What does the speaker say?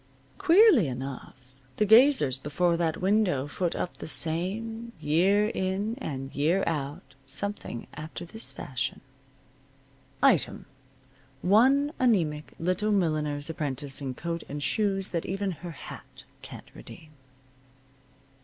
Queerly enough, the gazers before that window foot up the same, year in, and year out, something after this fashion: Item: One anemic little milliner's apprentice in coat and shoes that even her hat can't redeem.